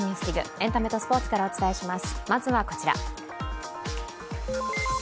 エンタメとスポーツからお伝えします。